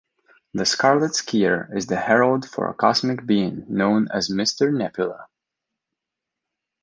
The Scarlet Skier is the herald for a cosmic being known as Mr. Nebula.